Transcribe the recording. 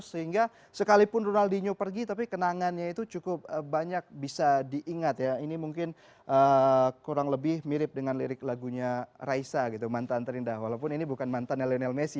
yang paling penting adalah ronaldinho